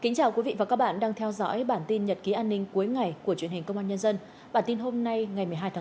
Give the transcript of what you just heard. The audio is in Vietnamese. hãy đăng ký kênh để ủng hộ kênh của chúng mình nhé